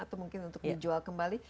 atau mungkin untuk dijual kembali